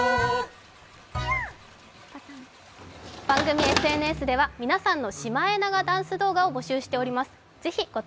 番組ＳＮＳでは皆さんのシマエナガ動画を募集しています。